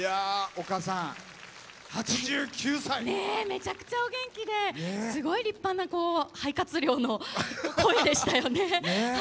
めちゃくちゃお元気ですごい立派な肺活量の声でしたよね。